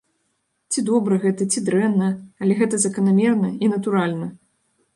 Ці добра гэта, ці дрэнна, але гэта заканамерна і натуральна.